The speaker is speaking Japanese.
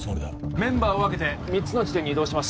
メンバーを分けて３つの地点に移動します